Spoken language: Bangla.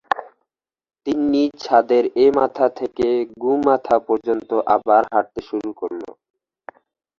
তিন্নি ছাদের এ-মাথা থেকে গু-মাথা পর্যন্ত আবার হাঁটতে শুরু করল।